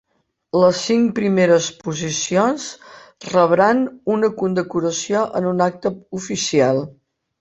Les cinc primeres posicions rebran una condecoració en un acte oficial.